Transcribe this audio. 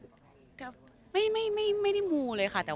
บางทีเค้าแค่อยากดึงเค้าต้องการอะไรจับเราไหล่ลูกหรือยังไง